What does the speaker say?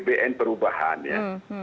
lain perubahan ya